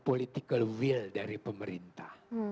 political will dari pemerintah